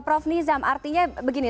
prof nizam artinya begini